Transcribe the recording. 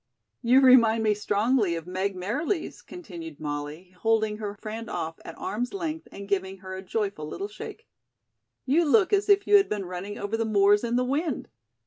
"You remind me strongly of Meg Merriles," continued Molly, holding her friend off at arms' length and giving her a joyful little shake. "You look as if you had been running over the moors in the wind."